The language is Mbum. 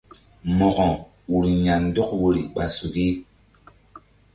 Mo̧ko ur ya̧ ndɔk woyri ɓa suki.